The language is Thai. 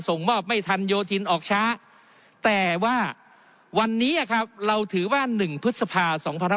ส่งมอบไม่ทันโยธินออกช้าแต่ว่าวันนี้ครับเราถือว่า๑พฤษภา๒๕๖๒